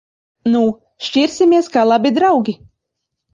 Nu! Šķirsimies kā labi draugi.